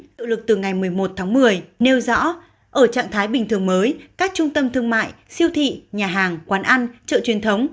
hiệu lực từ ngày một mươi một tháng một mươi nêu rõ ở trạng thái bình thường mới các trung tâm thương mại siêu thị nhà hàng quán ăn chợ truyền thống